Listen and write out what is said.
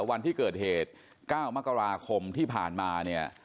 วันที่เกิดเหตุ๙มกราคมที่ผ่านมาเนี่ย